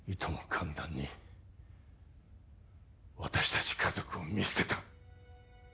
簡単に私たち家族を見捨てた。